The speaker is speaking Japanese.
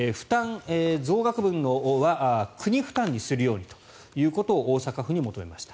増額分は国負担にするようにということを大阪府に求めました。